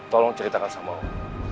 tolong ceritakan sama om